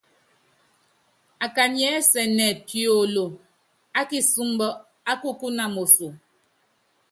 Akanyiɛ́ ɛsɛ́nɛ piolo ákisúmbɔ́ ákukúna moso.